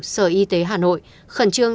sở y tế hà nội khẩn trương